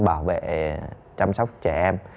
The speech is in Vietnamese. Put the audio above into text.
bảo vệ chăm sóc trẻ em